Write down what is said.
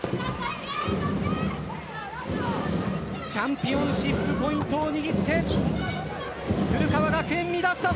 チャンピオンシップポイントを握って古川学園、乱したぞ。